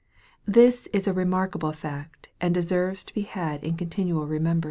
This is a remarkable fact and deserves to be had in continual remembrance.